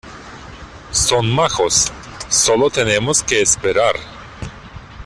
son majos, solo tenemos que esperar.